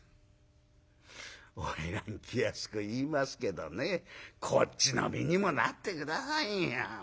「花魁気安く言いますけどねこっちの身にもなって下さいよ。